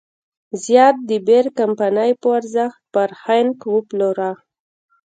زیات د بیر کمپنۍ په ارزښت پر هاینکن وپلوره.